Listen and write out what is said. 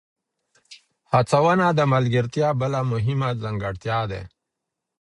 هڅونه د ملګرتیا بله مهمه ځانګړتیا ده.